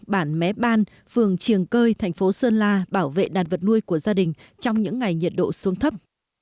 bản mé ban phường triềng cơi thành phố sơn la bảo vệ đàn vật nuôi của gia đình trong những ngày nhiệt độ xuống thấp